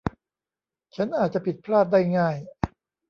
ฉันอาจจะผิดพลาดได้ง่าย